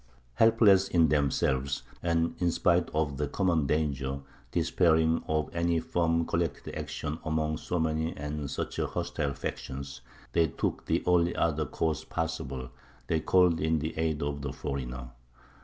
Helpless in themselves and, in spite of the common danger, despairing of any firm collected action among so many and such hostile factions, they took the only other course possible they called in the aid of the foreigner.